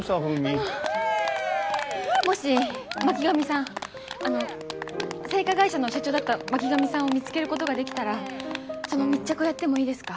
もし巻上さんあの製菓会社の社長だった巻上さんを見つけることができたらその密着をやってもいいですか？